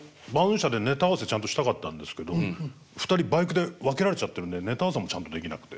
車でネタ合わせちゃんとしたかったんですけど２人バイクで分けられちゃってるんでネタ合わせもちゃんとできなくて。